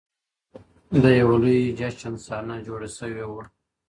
د یوه لوی جشن صحنه جوړه سوې وه ,